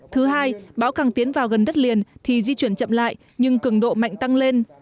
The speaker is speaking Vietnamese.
thứ hai bão càng tiến vào gần đất liền thì di chuyển chậm lại nhưng cường độ mạnh tăng lên